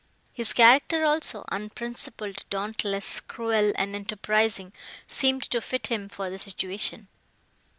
His character also, unprincipled, dauntless, cruel and enterprising, seemed to fit him for the situation.